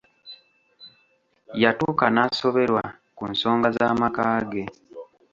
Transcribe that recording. Yatuuka n'asoberwa ku nsonga z'amaka ge.